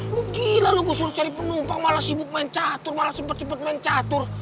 lu gila lu gue suruh cari penumpang malah sibuk main catur malah sempat cepat main catur